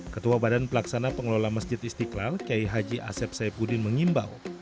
ketua badan pelaksana pengelola masjid istiqlal kiai haji asep saipudin mengimbau